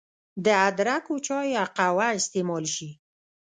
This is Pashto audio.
د ادرکو چای يا قهوه استعمال شي